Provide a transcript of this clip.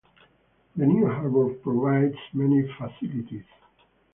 The new harbour provides many facilities.